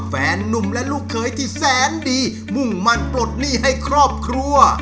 นุ่มและลูกเคยที่แสนดีมุ่งมั่นปลดหนี้ให้ครอบครัว